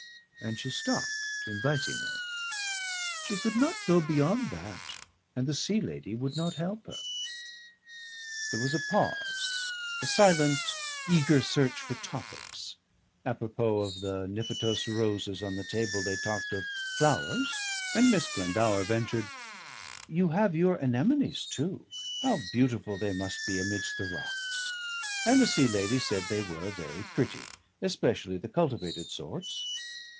And she stopped invitingly.... She could not go beyond that and the Sea Lady would not help her. There was a pause, a silent eager search for topics. Apropos of the Niphetos roses on the table they talked of flowers and Miss Glendower ventured: "You have your anemones too! How beautiful they must be amidst the rocks!" And the Sea Lady said they were very pretty especially the cultivated sorts....